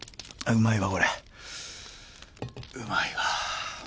うまいわ。